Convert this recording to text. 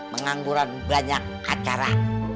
mengangguran banyak acara